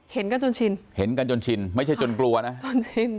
เห็นกันจนชินเห็นกันจนชินไม่ใช่จนกลัวนะจนชิน